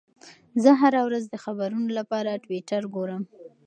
زه هره ورځ د خبرونو لپاره ټویټر ګورم.